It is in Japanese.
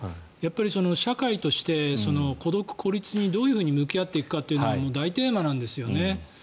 社会として孤独・孤立にどういうふうに向き合っていくのかも大テーマなんですよね。